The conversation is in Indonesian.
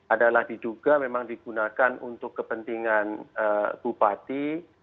adalah diduga memang digunakan untuk kepentingan bupati